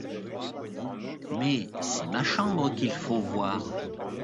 Mais c'est ma chambre qu'il faut voir.